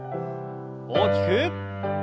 大きく。